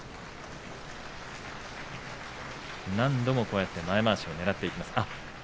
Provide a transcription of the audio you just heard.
何度もこうやって前まわしをねらっていきます。